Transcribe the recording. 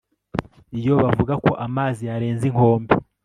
iyo bavuga ko amazi yarenze inkombe